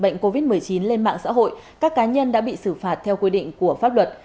bệnh covid một mươi chín lên mạng xã hội các cá nhân đã bị xử phạt theo quy định của pháp luật